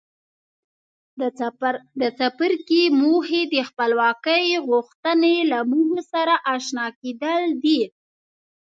د څپرکي موخې د خپلواکۍ غوښتنې له موخو سره آشنا کېدل دي.